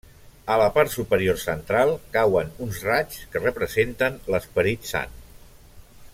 A la part superior central, cauen uns raigs que representen l'Esperit Sant.